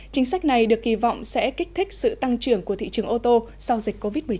chính sách này được kỳ vọng sẽ kích thích sự tăng trưởng của thị trường ô tô sau dịch covid một mươi chín